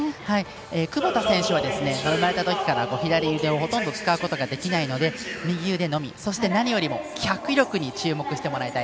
窪田選手は生まれたときから左腕をほとんど使うことができないので右腕のみでそして何より脚力に注目してもらいたい。